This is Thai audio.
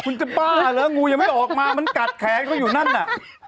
คุณจะบ้าเหรองูยังไม่ออกมามันกัดแขนเขาอยู่นั่นน่ะ